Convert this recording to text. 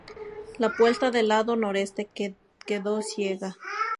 La puerta del lado Noreste quedó ciega.